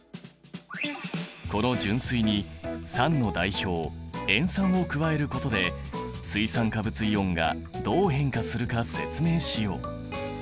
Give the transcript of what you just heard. この純水に酸の代表塩酸を加えることで水酸化物イオンがどう変化するか説明しよう。